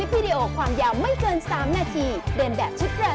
พยายามเอาแบบนอนมาทา